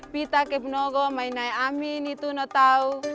pita kepnogo mainai amin itu no tau